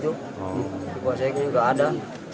di posisi juga gak ada